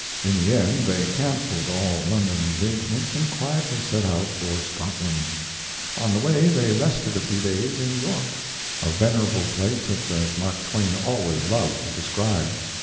In the end they canceled all London engagements and quietly set out for Scotland. On the way they rested a few days in York, a venerable place such as Mark Twain always loved to describe.